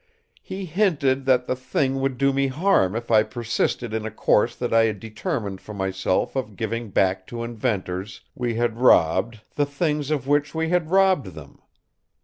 He hinted that the thing would do me harm if I persisted in a course that I had determined for myself of giving back to inventors we had robbed the things of which we had robbed them.